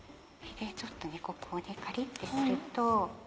ちょっとここをカリってすると。